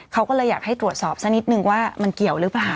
เขาก็เลยอยากให้ตรวจสอบสักนิดนึงว่ามันเกี่ยวหรือเปล่า